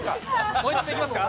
もう一度いきますか？